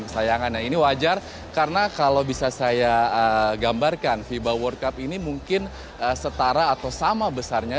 kesayangannya ini wajar karena kalau bisa saya gambarkan fiba world cup ini mungkin setara atau sama besarnya